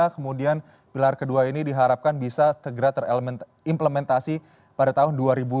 kemudian pilar kedua ini diharapkan bisa segera terimplementasi pada tahun dua ribu dua puluh